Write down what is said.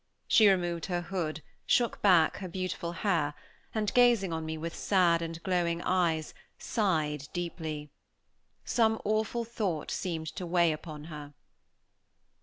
She removed her hood, shook back her beautiful hair, and, gazing on me with sad and glowing eyes, sighed deeply. Some awful thought seemed to weigh upon her.